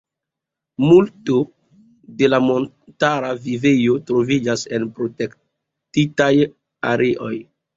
Multo de la montara vivejo troviĝas en protektitaj areoj.